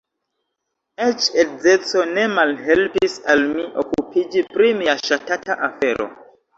Eĉ edzeco ne malhelpis al mi okupiĝi pri mia ŝatata afero.